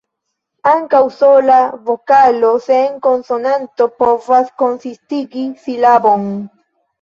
Ankaŭ sola vokalo sen konsonanto povas konsistigi silabon.